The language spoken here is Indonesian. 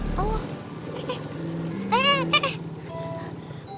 special dari kimia